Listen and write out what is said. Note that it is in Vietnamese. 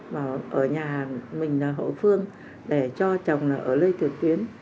mà ở nhà mình là hội phương để cho chồng ở lây thuyền tuyến